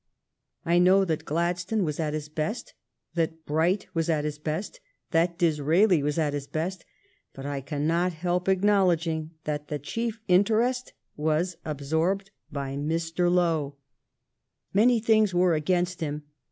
I know that Gladstone was at his best, that Bright was at his best, that Disraeli was at his best, but I cannot help acknow ledging that the chief interest was absorbed by Mr. 256 THE STORY OF GLADSTONE'S LIFE Lowe. Many things were against him.